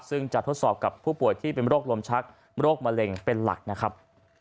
ซึ่งจะทดสอบกับผู้ป่วยที่เป็นโรคลมชักโรคมะเร็งเป็นหลักนะครับ